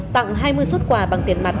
tặng hai mươi xuất quà bằng tiền mặt